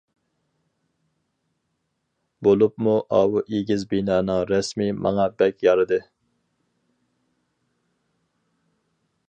بولۇپمۇ ئاۋۇ ئېگىز بىنانىڭ رەسىمى ماڭا بەك يارىدى.